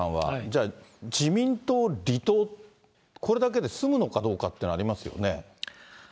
じゃあ、自民党を離党、これだけで済むのかどうかっていうのはありますよね。